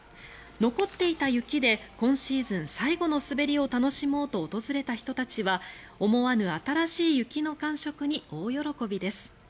残っていた雪で今シーズン最後の滑りを楽しもうと訪れた人たちは思わぬ新しい雪の感触に大喜びです。